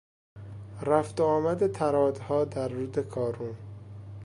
رفت و آمد طرادها در رود کارون